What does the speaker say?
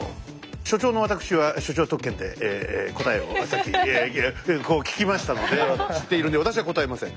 所長のわたくしは所長特権で答えをさっきこう聞きましたので知っているんで私は答えません。